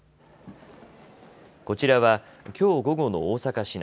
こちらは、きょう午後の大阪市内。